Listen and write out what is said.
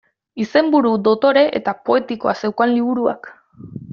Izenburu dotore eta poetikoa zeukan liburuak.